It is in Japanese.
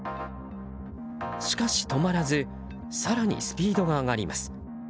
しかし、止まらず更にスピードが上がります。